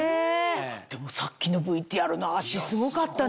でもさっきのＶＴＲの脚すごかったね！